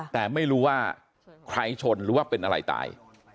แต่ไม่รู้ว่าใครชนหรือว่าเป็นอะไรตาย